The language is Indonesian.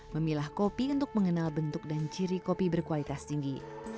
memilah kopi untuk mengenal bentuk dan ciri kopi berkualitas tinggi